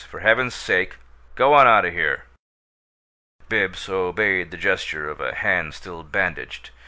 For Heaven's sake, go on out o' here!" Bibbs obeyed the gesture of a hand still bandaged.